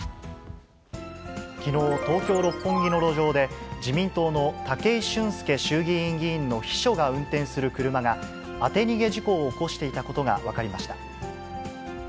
きのう、東京・六本木の路上で、自民党の武井俊輔衆議院議員の秘書が運転する車が、当て逃げ事故を起こしていたことが分かりました。